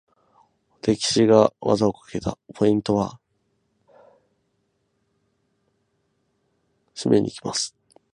レシキが技をかけた！ポイントは？締めに行きます！